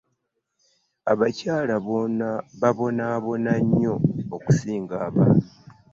Abakyala babonabona nnyo okusinga abaami .